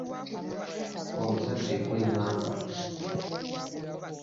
Omuzadde ggwe ngamba.